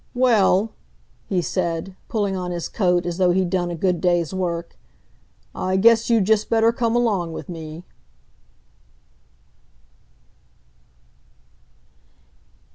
"Well," he said, pulling on his coat as though he'd done a good day's work, "I guess you'd just better come along with me."